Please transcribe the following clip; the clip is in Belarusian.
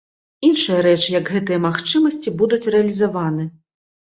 Іншая рэч, як гэтыя магчымасці будуць рэалізаваны.